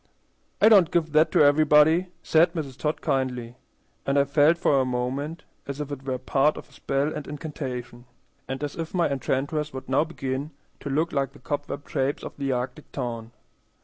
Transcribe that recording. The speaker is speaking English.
"I don't give that to everybody," said Mrs. Todd kindly; and I felt for a moment as if it were part of a spell and incantation, and as if my enchantress would now begin to look like the cobweb shapes of the arctic town.